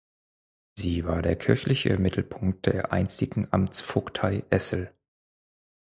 Sie war der kirchliche Mittelpunkt der einstigen Amtsvogtei Essel.